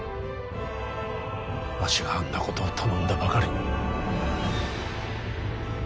わしがあんなことを頼んだばかりに。